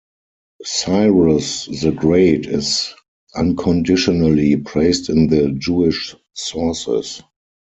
Cyrus the Great is unconditionally praised in the Jewish sources.